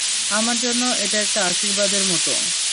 আমার জন্য এটা একটা আশীর্বাদের মতো।